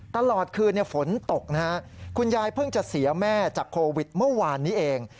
ตลอดคืนฝนตกนะฮะคุณยายเพิ่งจะเสียแม่จากโควิดเมื่อวานนี้เอง